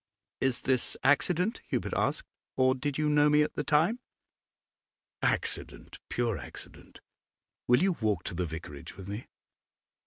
'Is this accident,' Hubert asked; 'or did you know me at the time?' 'Accident, pure accident. Will you walk to the vicarage with me?